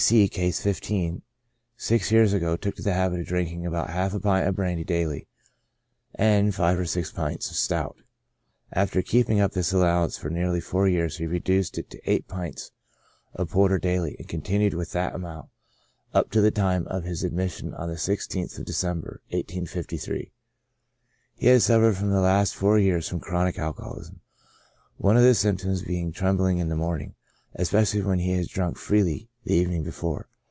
C — (Case 15) six years ago PREDISPOSING CAUSES. 53 took to the habit of drinking about half a pint of brandy daily, and five or six pints of stout : after keeping up this allowance for nearly four years he reduced it to eight pints of porter daily, and continued with that amount up to the time of his admission on the i6th of December, 1853. ^^ has suffered for the last four years from chronic alcoholism, one of the symptoms being trembling in the morning, especially when he has drunk freely the evening before.